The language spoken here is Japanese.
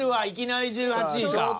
いきなり１８位か。